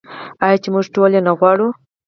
آیا چې موږ ټول یې نه غواړو؟